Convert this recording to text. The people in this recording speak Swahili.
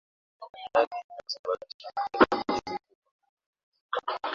Ajali inayosababisha majeraha kwenye mifupa